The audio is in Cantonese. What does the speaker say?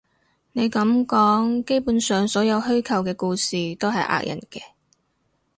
你噉講，基本上所有虛構嘅故事都係呃人嘅